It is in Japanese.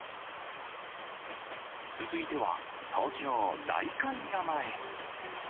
続いては、東京・代官山へ。